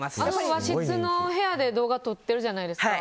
和室の部屋で動画を撮っているじゃないですか。